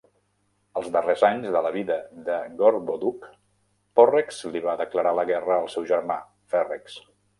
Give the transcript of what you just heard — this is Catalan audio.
Als darrers anys de la vida de Gorboduc, Porrex li va declarar la guerra al seu germà, Ferrex.